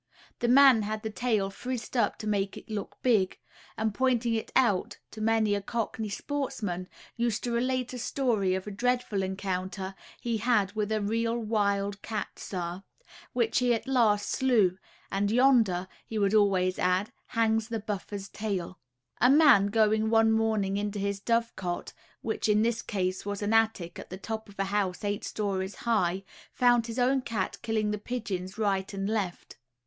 The man had the tail frizzed up to make it look big; and pointing it out to many a cockney sportsman, used to relate a story of a dreadful encounter he had with a "real wild cat, sir," which he at last slew; "and yonder," he would always add, "hangs the buffer's tail." A man going one morning into his dovecot, which in this case was an attic at the top of a house eight storeys high, found his own cat killing the pigeons right and left.